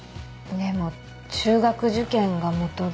でも中学受験がもとで。